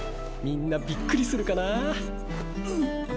みんなびっくりするかなぁ。